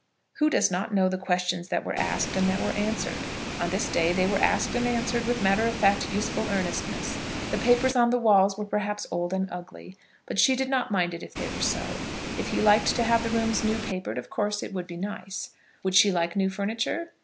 Who does not know the questions that were asked and that were answered? On this occasion they were asked and answered with matter of fact useful earnestness. The papers on the walls were perhaps old and ugly; but she did not mind it if they were so. If he liked to have the rooms new papered, of course it would be nice. Would she like new furniture?